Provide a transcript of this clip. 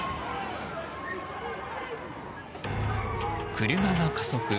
車が加速。